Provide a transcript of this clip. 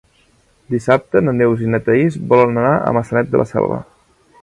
Dissabte na Neus i na Thaís volen anar a Maçanet de la Selva.